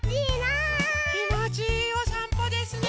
きもちいいおさんぽですね。